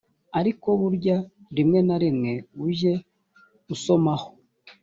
ariko burya rimwe na rimwe ujye usomaho